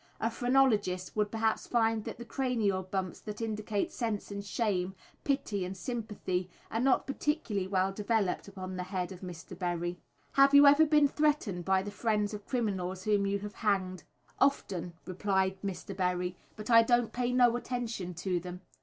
A phrenologist would perhaps find that the cranial bumps that indicate sense and shame, pity and sympathy, are not particularly well developed upon the head of Mr. Berry. "Have you ever been threatened by the friends of criminals whom you have hanged?" "Often," replied Mr. Berry, "but I don't pay no attention to them.